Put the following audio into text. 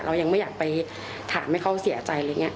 เรายังไม่อยากไปถามให้เขาเสียใจ